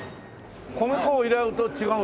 米粉を入れると違うの？